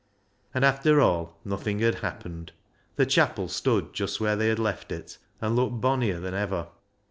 And after all nothing had happened. The chapel stood just where they had left it, and looked bonnier than ever.